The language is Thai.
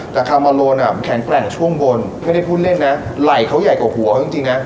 แต่คามอโลนแข็งแกร่งช่วงบนไม่ได้พูดเล่นนะไหล่เขาใหญ่กว่าหัวเขาจริงนะ